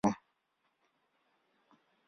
Ndiye mwakilishi wa Rais katika Mkoa.